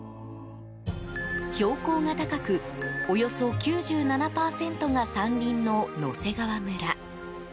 標高が高くおよそ９７％が山林の野迫川村。